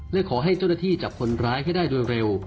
และขอให้เจ้าหน้าที่จับคนร้ายให้ได้โดยเร็ว